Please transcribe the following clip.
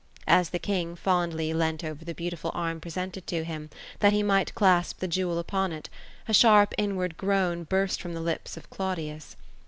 As the king fondly leant over the beautiful arm presented to him, that he might clasp 'the jewel upon it, a sharp inward groan burst from the lips of Claudius.